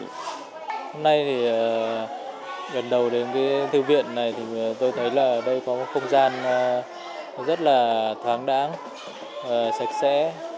hôm nay thì lần đầu đến cái thư viện này thì tôi thấy là đây có một không gian rất là thoáng đáng sạch sẽ